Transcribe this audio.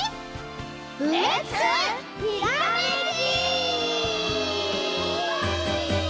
レッツひらめき！